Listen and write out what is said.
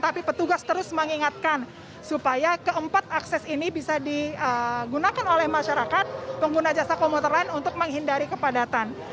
tapi petugas terus mengingatkan supaya keempat akses ini bisa digunakan oleh masyarakat pengguna jasa komuter lain untuk menghindari kepadatan